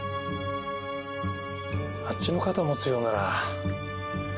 あっちの肩持つようなら。